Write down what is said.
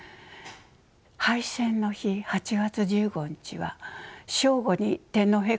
敗戦の日８月１５日は正午に天皇陛下のお言葉があった。